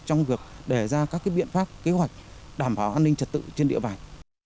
trong việc đề ra các biện pháp kế hoạch đảm bảo an ninh trật tự trên địa bàn